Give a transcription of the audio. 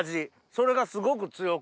それがすごく強くて。